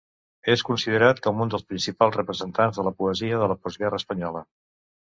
És considerat com un dels principals representants de la poesia de la postguerra espanyola.